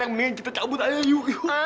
yang mendingan kita cabut aja yuk